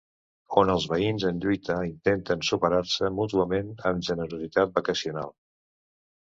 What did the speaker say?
On els veïns en lluita intenten superar-se mútuament amb generositat vacacional.